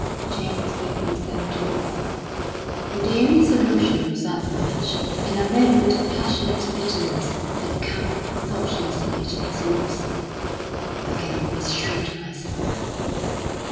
James knew himself too well. And the only solution was that which, in a moment of passionate bitterness, had come thoughtlessly to his lips: "I can always shoot myself."